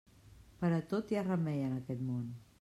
Per a tot hi ha remei en aquest món.